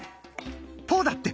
「ポ」だって！